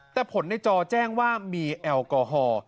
แต่ผลในจอแจ้งว่ามีแอลกอฮอล์